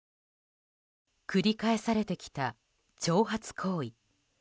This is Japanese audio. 繰り返されてきた挑発行為。